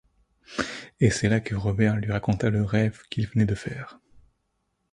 Et c'est là que Robert lui raconta le rêve qu'il venait de faire.